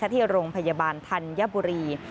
ที่โรงพยาบาลธัญบุรี